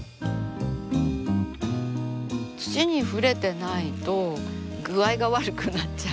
土に触れてないと具合が悪くなっちゃう。